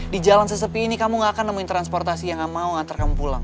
di jalan sesepi ini kamu gak akan nemuin transportasi yang gak mau ngantar kamu pulang